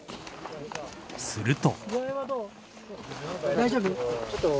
すると。